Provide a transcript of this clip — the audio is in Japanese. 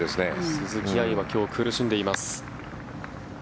鈴木愛は今日、苦しんでいます。